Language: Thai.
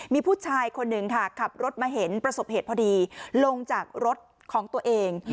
มีผู้ชายคนหนึ่งค่ะขับรถมาเห็นประสบเหตุพอดีลงจากรถของตัวเอง